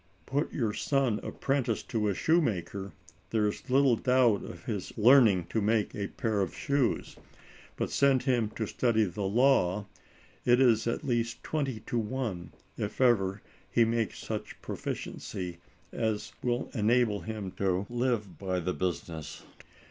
Put your son apprentice to a shoemaker, there is little doubt of his learning to make a pair of shoes; but send him to study the law, it is at least twenty to one if ever he makes such proficiency as will enable him to live by the business.